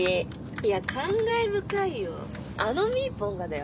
いや感慨深いよあのみーぽんがだよ？